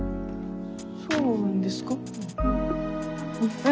そうなんですか？